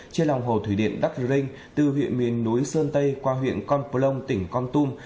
trên lòng hồ thủy điện đắk đơ linh từ huyện miền núi sơn tây qua huyện con pô long tỉnh con tum